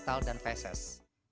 tidak ada yang bisa dihubungkan